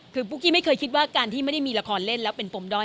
คือปุ๊กกี้ไม่เคยคิดว่าการที่ไม่ได้มีละครเล่นแล้วเป็นปมด้อย